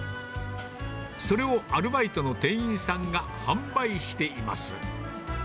それをアルバイトの店員さんが販売しています。